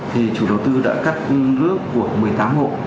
thì chủ đầu tư đã cắt nước của một mươi tám hộ